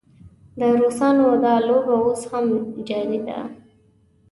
د روسانو دا لوبه اوس هم جاري ده.